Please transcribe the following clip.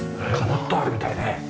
もっとあるみたいね。